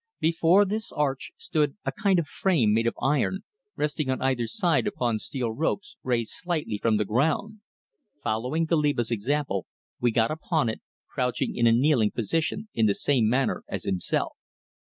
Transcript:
Before this arch stood a kind of frame made of iron resting on either side upon steel ropes raised slightly from the ground. Following Goliba's example, we got upon it, crouching in a kneeling position in the same manner as himself.